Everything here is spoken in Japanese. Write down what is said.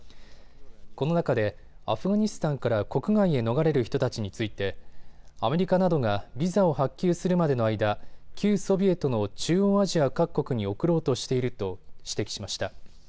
この中でアフガニスタンから国外へ逃れる人たちについてアメリカなどがビザを発給するまでの間、旧ソビエトの中央アジア各国に送ろうとしていると指摘しました。